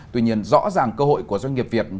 tuy nhiên rõ ràng cơ hội của doanh nghiệp việt